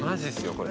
これ。